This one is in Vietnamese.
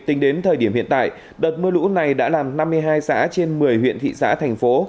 tính đến thời điểm hiện tại đợt mưa lũ này đã làm năm mươi hai xã trên một mươi huyện thị xã thành phố